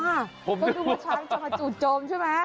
ก็ดูว่าช้างจะมาจู่โจมใช่ไหม